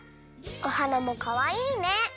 おはなもかわいいね！